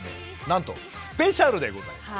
なんとスペシャルでございます。